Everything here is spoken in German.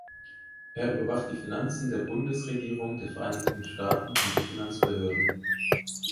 Er überwacht die Finanzen der Bundesregierung der Vereinigten Staaten und die Finanzbehörden.